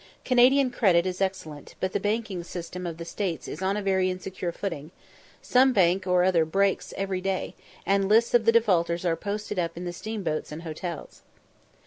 Canadian credit is excellent; but the banking system of the States is on a very insecure footing; some bank or other "breaks" every day, and lists of the defaulters are posted up in the steamboats and hotels.